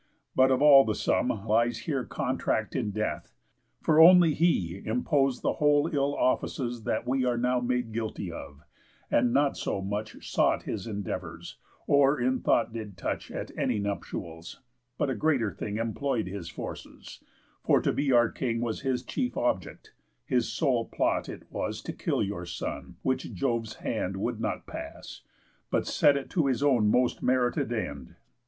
But of all the sum Lies here contract in death; for only he Impos'd the whole ill offices that we Are now made guilty of, and not so much Sought his endeavours, or in thought did touch At any nuptials, but a greater thing Employ'd his forces; for to be our king Was his chief object; his sole plot it was To kill your son, which Jove's hand would not pass, But set it to his own most merited end.